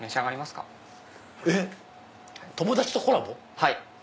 はい。